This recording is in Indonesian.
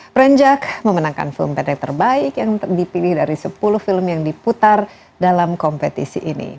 prenjak memenangkan film pendek terbaik yang dipilih dari sepuluh film yang diputar dalam kompetisi ini